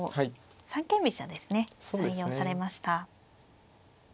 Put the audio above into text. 三間飛車ですね採用されました。